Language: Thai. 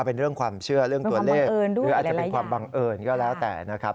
เป็นเรื่องความเชื่อเรื่องตัวเลขหรืออาจจะเป็นความบังเอิญก็แล้วแต่นะครับ